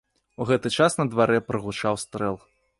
У гэты час на дварэ прагучаў стрэл.